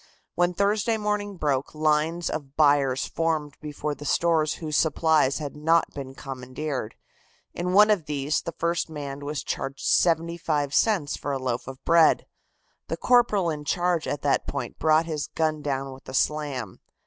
When Thursday morning broke, lines of buyers formed before the stores whose supplies had not been commandeered. In one of these, the first man was charged 75 cents for a loaf of bread. The corporal in charge at that point brought his gun down with a slam.